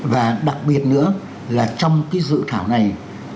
và đặc biệt nữa là trong cái dự thảo này